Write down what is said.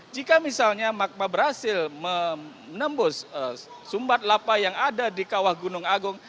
jika misalnya magma berhasil menembus sumbat lapa yang ada di kawah gunung agung